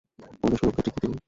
আমাদের সুরক্ষা ঠিকি দিবে।